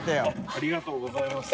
ありがとうございます。